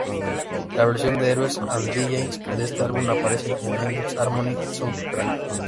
La versión de "Heroes and Villains" de este álbum aparece en "Endless Harmony Soundtrack".